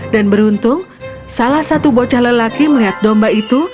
dan beruntung salah satu bocah lelaki melihat domba itu